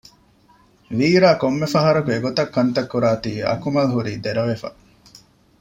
ވީރާ ކޮންމެ ފަހަރަކު އެގޮތަށް ކަންތައް ކުރާތީ އަކުމަލް ހުރީ ދެރަވެފަ